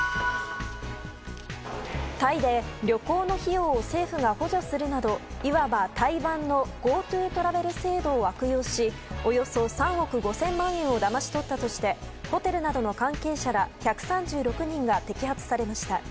タイで旅行の費用を政府が補助するなど、いわばタイ版のＧｏＴｏトラベル制度を悪用し、およそ３億５０００万円をだまし取ったとして、ホテルなどの関係者ら１３６人が摘発されました。